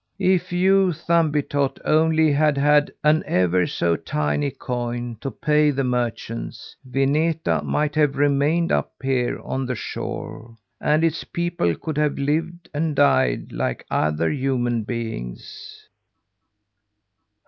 If you, Thumbietot, only had had an ever so tiny coin, to pay the merchants, Vineta might have remained up here on the shore; and its people could have lived and died like other human beings."